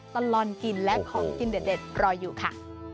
ตลอดกินและของกินเด็ดรออยู่ค่ะ